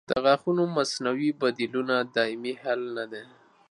د غاښونو مصنوعي بدیلونه دایمي حل نه دی.